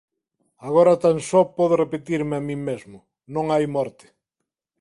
Agora tan só podo repetirme a min mesmo: non hai morte.